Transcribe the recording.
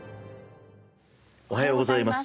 おはようございます。